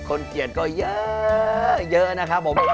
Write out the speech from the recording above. เกลียดก็เยอะนะครับผม